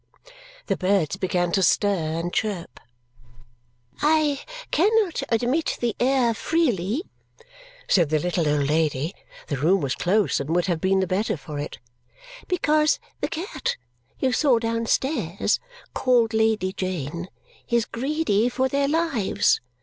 The birds began to stir and chirp. "I cannot admit the air freely," said the little old lady the room was close, and would have been the better for it "because the cat you saw downstairs, called Lady Jane, is greedy for their lives.